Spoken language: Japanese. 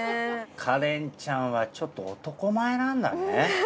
加恋ちゃんはちょっと男前なんだね。